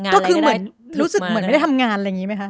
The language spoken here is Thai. ก็คือเหมือนรู้สึกเหมือนไม่ได้ทำงานอะไรอย่างนี้ไหมคะ